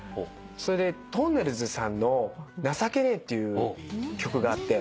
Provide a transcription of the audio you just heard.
それでとんねるずさんの『情けねえ』っていう曲があって。